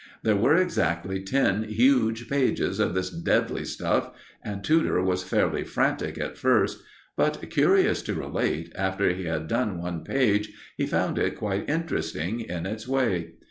There were exactly ten huge pages of this deadly stuff, and Tudor was fairly frantic at first; but curious to relate, after he had done one page, he found it quite interesting in its way.